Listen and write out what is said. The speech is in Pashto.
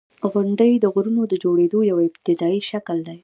• غونډۍ د غرونو د جوړېدو یو ابتدایي شکل دی.